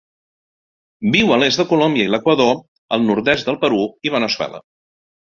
Viu a l'est de Colòmbia i l'Equador, el nord-est del Perú i Veneçuela.